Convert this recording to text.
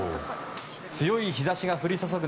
強い日差しが降り注ぐ